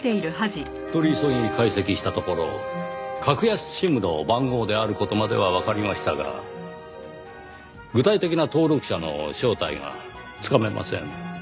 取り急ぎ解析したところ格安ＳＩＭの番号である事まではわかりましたが具体的な登録者の正体がつかめません。